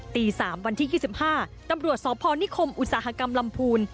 ตี๓วันที่๒๕ตำรวจสพนิคมอุตสาหกรรมลำพูน